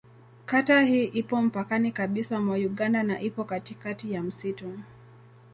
Kata hii ipo mpakani kabisa mwa Uganda na ipo katikati ya msitu.